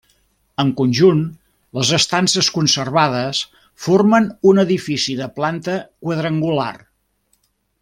En conjunt, les estances conservades formen un edifici de planta quadrangular.